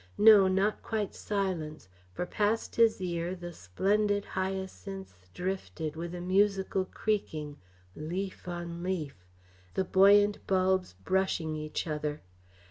No, not quite silence, for past his ear the splendid hyacinths drifted with a musical creaking, leaf on leaf, the buoyant bulbs brushing each other.